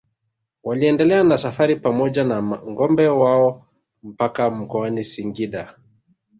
Waliendelea na safari pamoja na ngombe wao mpaka mkoani Singida